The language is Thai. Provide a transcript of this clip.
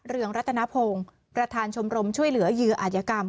เรืองรัตนพงศ์ประธานชมรมช่วยเหลือเหยื่ออาจยกรรม